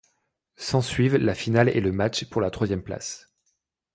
S'ensuivent la finale et le match pour la troisième place.